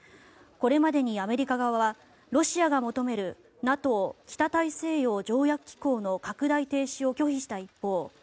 これまでにアメリカ側はロシアが求めるＮＡＴＯ・北大西洋条約機構の拡大停止を拒否した一方